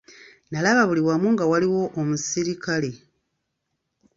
Nalaba buli wamu nga waliwo omusirikale.